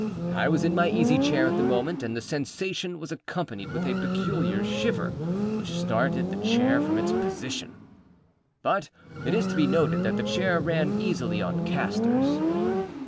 I was in my easy chair at the moment, and the sensation was accompanied with a peculiar shiver which started the chair from its position. (But it is to be noted that the chair ran easily on castors.)